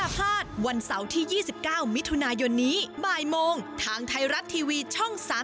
วันเสาร์ที่๒๙มิถุนายนนี้บ่ายโมงทางไทยรัฐทีวีช่อง๓๒